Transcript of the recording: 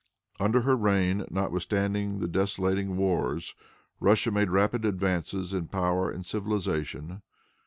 Under her reign, notwithstanding the desolating wars, Russia made rapid advances in power and civilization.